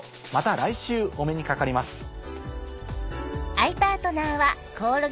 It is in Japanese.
また来週お目にかかります。